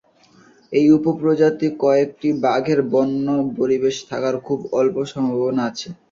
এই উপপ্রজাতির কয়েকটি বাঘের বন্য পরিবেশে থাকার খুব অল্প সম্ভাবনা আছে।